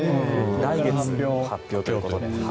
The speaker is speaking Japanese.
来月発表ということです。